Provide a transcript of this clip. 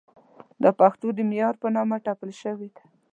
دا پښتو د معیار په نامه ټپل شوې ده.